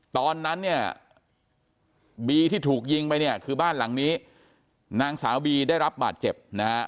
ตอนนั้นเนี่ยบีที่ถูกยิงไปเนี่ยคือบ้านหลังนี้นางสาวบีได้รับบาดเจ็บนะฮะ